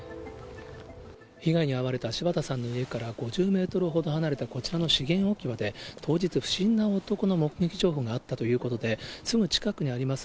被害に遭われた柴田さんの家から５０メートルほど離れたこちらの資源置き場で、当日、不審な男の目撃情報があったということで、すぐ近くにあります